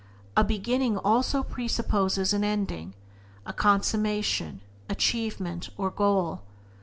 A beginning also presupposes an ending, a consummation, achievement, or goal.